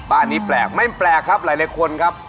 บ้านนี้แปลกไม่แปลกครับหลายคนครับ